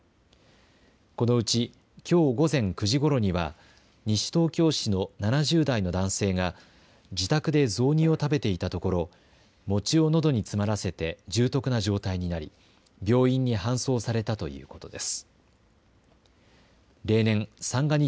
このうち、きょう午前９時ごろには、西東京市の７０代の男性が自宅で雑煮を食べていたところ、餅をのどを詰まらせて重篤な状態になり、病院に搬送されたということです。